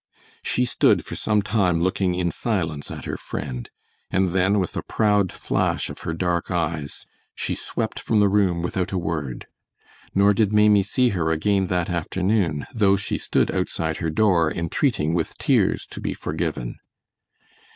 She stood for some time looking in silence at her friend, and then with a proud flash of her dark eyes, she swept from the room without a word, nor did Maimie see her again that afternoon, though she stood outside her door entreating with tears to be forgiven.